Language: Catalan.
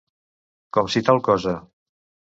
Com si tal cosa.